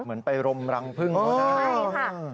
เหมือนไปรมรังเพิ่งเพราะฉะนั้น